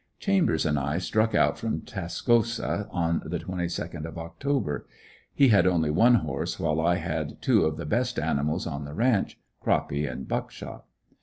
Chambers and I struck out from Tascosa on the 22nd of October. He had only one horse, while I had two of the best animals on the ranch, Croppy and Buckshot.